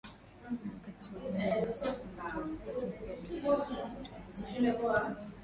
ni wakati Umoja wa mataifa umetoa ripoti mpya leo kuwa matumizi yaKuwa